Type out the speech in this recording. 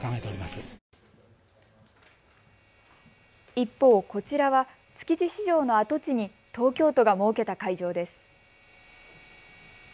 一方、こちらは築地市場の跡地に東京都が設けた会場です。